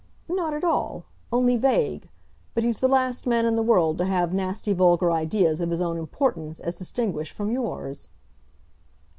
"Not at all; only vague. But he's the last man in the world to have nasty vulgar ideas of his own importance as distinguished from yours."